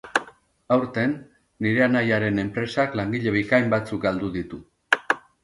Aurten, nire anaiaren enpresak langile bikain batzuk galdu ditu.